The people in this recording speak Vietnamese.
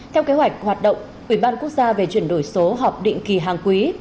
theo kế hoạch hoạt động ủy ban quốc gia về chuyển đổi số họp định kỳ hàng quý